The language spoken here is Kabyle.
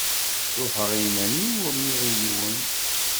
Ruḥeɣ iman-iw ur nniɣ i yiwen.